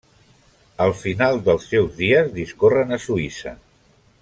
El final dels seus dies discorren a Suïssa.